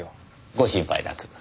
ご心配なく。